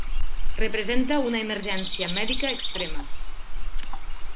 Representa una emergència mèdica extrema.